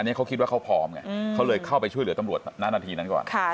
อันนี้เขาคิดว่าเขาพร้อมไงเขาเลยเข้าไปช่วยเหลือตำรวจหน้านาทีนั้นก่อน